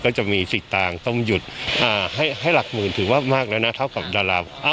ก็จะมีสิกตางต้มหยุดให้หลักหมื่นถึงว่ามากแล้วนะเท่ากับดาราภัย